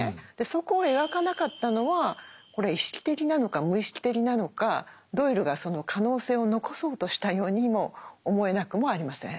そこを描かなかったのはこれは意識的なのか無意識的なのかドイルがその可能性を残そうとしたようにも思えなくもありません。